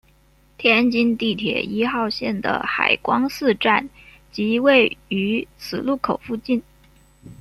天津地铁一号线的海光寺站即位于此路口附近。